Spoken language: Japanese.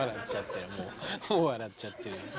笑っちゃってる。